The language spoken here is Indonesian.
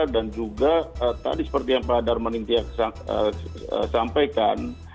dan juga tadi seperti yang pak darmanin tiap sampaikan